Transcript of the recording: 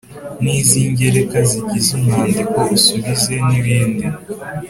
n’iz’ingereka zigize umwandiko, usubize n’ibindi